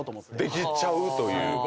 できちゃうという。